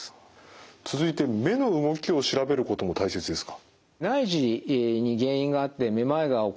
続いて目の動きを調べることも大切ですか？